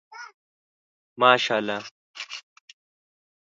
ماشاءالله